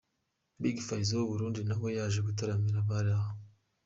Big Fizzo w'i Burundi nawe yaje gutaramira abari aho.